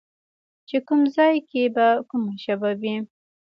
چې کوم ځای کې به کومه ژبه وي